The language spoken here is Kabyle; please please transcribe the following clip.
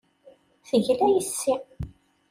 Tegla yes-i.